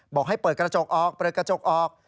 บอกให้เปิดกระจกออกเปิดกระจกออก